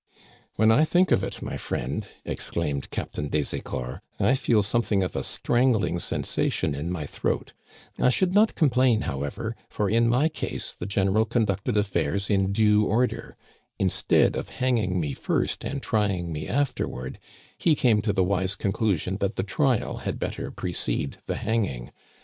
" When I think of it, my friend," exclaimed Captain des Ecors, I feel something of a strangling sensation in my throat I should not complain, however, for in my case the general conducted affairs in due order ; in stead of hanging me first and trying me afterward, he came to the wise conclusion that the trial had better Digitized by VjOOQIC 26o ^^^ CANADIANS OF OLD, precede the hanging.